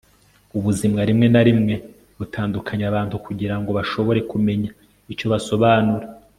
ubuzima rimwe na rimwe butandukanya abantu kugira ngo bashobore kumenya icyo basobanura